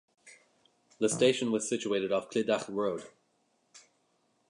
The station was situated off Clydach Road.